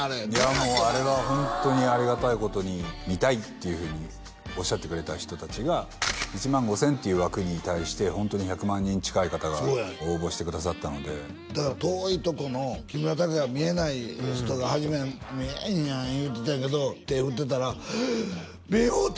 もうあれはホントにありがたいことに見たいっていうふうにおっしゃってくれた人達が１万５０００っていう枠に対してホントに１００万人近い方が応募してくださったのでだから遠いとこの木村拓哉が見えない人が初めは見えんやん言うてたけど手振ってたら目合うた！